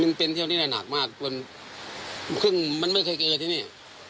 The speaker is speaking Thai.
มันเป็นที่อาจจะหนักมากมันไม่เคยเกิดอยู่ที่นี่